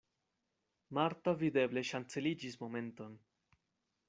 Marta videble ŝanceliĝis momenton.